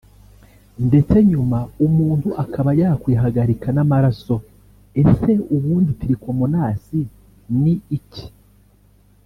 ndetse nyuma umuntu akaba yakwihagarika n’amarasoEse ubundi tirikomonasi ni iki